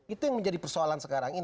itu yang menjadi persoalan sekarang